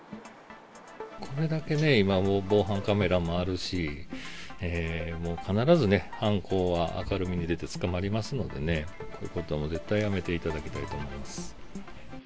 これだけね、今、防犯カメラもあるし、もう必ずね、犯行は明るみに出て捕まりますのでね、こういうことは絶対にやめていただきたいと思います。